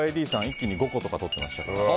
一気に５個とか取ってました。